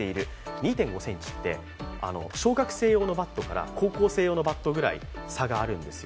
２．５ｃｍって小学生用のバットから高校生用のバットくらい差があるんですよ。